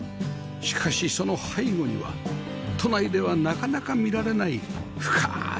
しかしその背後には都内ではなかなか見られない深い緑が